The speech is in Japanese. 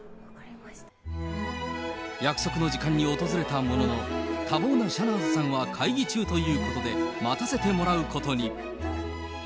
約束の時間に訪れたものの、多忙なシャナーズさんは会議中ということで、待たせてもらうことに。